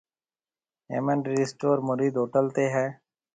هيَمن رِي اسٽور موريد هوٽل تي هيَ؟